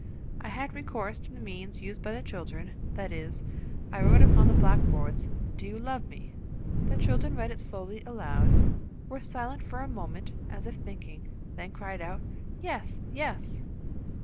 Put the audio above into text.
I had recourse to the means used by the children; that is, I wrote upon the blackboard, "Do you love me?" The children read it slowly aloud, were silent for a moment as if thinking, then cried out, "Yes! Yes!"